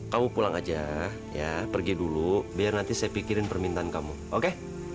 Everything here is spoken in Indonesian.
kamu pulang aja ya pergi dulu biar nanti saya pikirin permintaan kamu oke